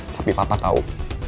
tapi papa tau